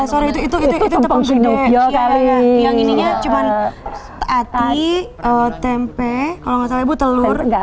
eh sorry itu tumpang ketiga yang ini cuma ati tempe kalau nggak salah bu telur